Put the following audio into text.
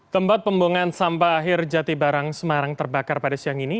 tempat pembuangan sampah akhir jati barang semarang terbakar pada siang ini